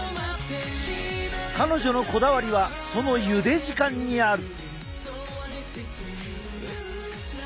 彼女のこだわりはそのゆで時間にある。